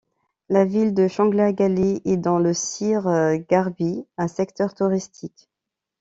La ville de Changla Gali est dans le Seer Gharbi un secteur touristique.